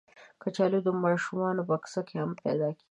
کچالو د ماشومانو بکس کې هم پیدا کېږي